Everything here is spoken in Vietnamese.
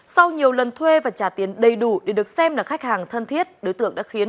sau nhiều lần thuê và trả tiền đầy đủ để được xem là khách hàng thân thiết đối tượng đã khiến